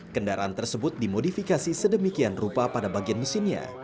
kendaraan tersebut dimodifikasi sedemikian rupa pada bagian mesinnya